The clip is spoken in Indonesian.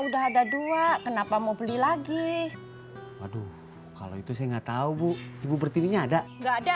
udah ada dua kenapa mau beli lagi waduh kalau itu sih enggak tahu bu ibu pertiwinya ada enggak ada